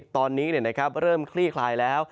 ตอนนี้เริ่มคลี่คลายแล้ว